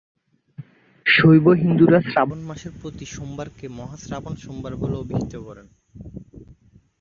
শৈব হিন্দুরা শ্রাবণ মাসের প্রতি সোমবার কে মহা শ্রাবণ সোমবার বলে অভিহিত করেন।